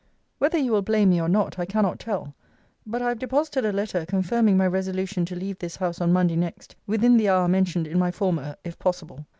Whether you will blame me or not, I cannot tell, but I have deposited a letter confirming my resolution to leave this house on Monday next, within the hour mentioned in my former, if possible.